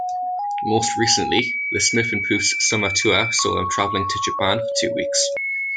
Most recently, the Smiffenpoofs' summer tour saw them traveling to Japan for two weeks.